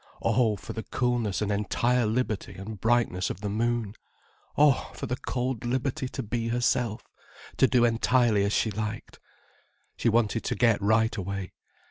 Oh, for the coolness and entire liberty and brightness of the moon. Oh, for the cold liberty to be herself, to do entirely as she liked. She wanted to get right away.